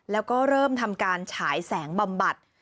แล้วก็เริ่มทำการฉายแสงบำบัด